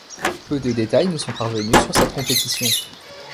Peu de détails nous sont parvenus sur cette compétition.